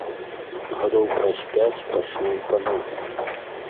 Гадоў праз пяць пачнём па новай.